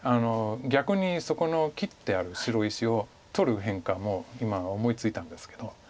逆にそこの切ってある白石を取る変化も今思いついたんですけど。